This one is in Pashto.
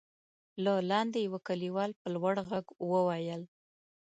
له لاندې يوه کليوال په لوړ غږ وويل: